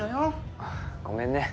あっごめんね。